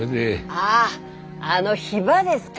あああのヒバですか。